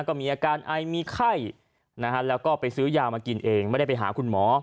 ก็มีอาการไอมีไข้นะฮะแล้วก็ไปซื้อยามากินเองไม่ได้ไปหาคุณหมอ